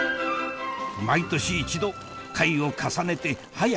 毎年１度回を重ねてはや